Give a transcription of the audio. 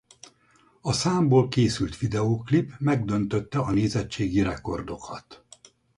A számból készült videóklip megdöntötte a nézettségi rekordokat.